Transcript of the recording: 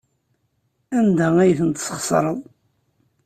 Anda ay ten-tesxeṣreḍ?